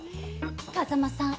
風間さん